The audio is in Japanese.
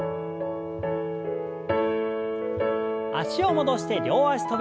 脚を戻して両脚跳び。